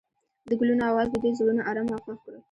د ګلونه اواز د دوی زړونه ارامه او خوښ کړل.